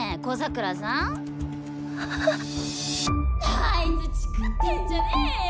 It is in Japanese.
あいつチクってんじゃねよ！